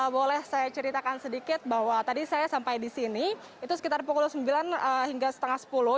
boleh saya ceritakan sedikit bahwa tadi saya sampai di sini itu sekitar pukul sembilan hingga setengah sepuluh